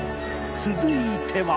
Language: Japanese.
続いては